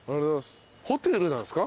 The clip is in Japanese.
ホテルなんすか？